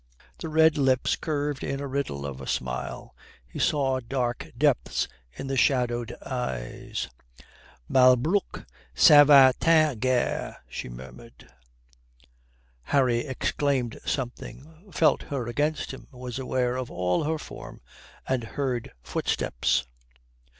The red lips curved in a riddle of a smile. He saw dark depths in the shadowed eyes. "Malbrouck s'en va t'en guerre" she murmured. Harry exclaimed something, felt her against him, was aware of all her form and heard footsteps.